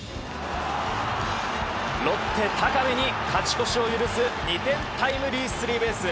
ロッテ、高部に勝ち越しを許す２点タイムリースリーベース。